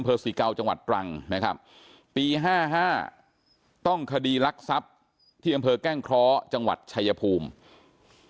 ไม่ว่าคดีจังหวัดชายภูมิ